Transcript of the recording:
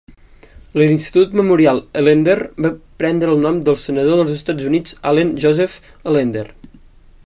l'Institut Memorial Ellender va prendre el nom del Senador dels Estats Units Allen Joseph Ellender.